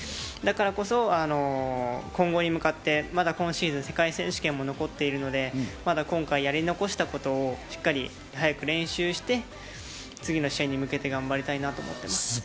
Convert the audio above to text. だからこそ今後に向かって、まだ今シーズン世界選手権も残っているので、今回やり残したことをしっかり早く練習して次の試合に向けて頑張りたいなと思います。